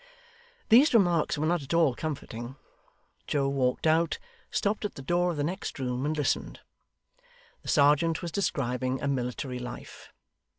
These remarks were not at all comforting. Joe walked out, stopped at the door of the next room, and listened. The serjeant was describing a military life.